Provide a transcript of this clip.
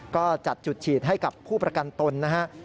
ก็จัดจุดฉีดให้กับผู้ประกันตนนะฮะ